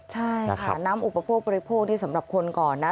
ใช่ค่ะน้ำอุปโภคบริโภคที่สำหรับคนก่อนนะ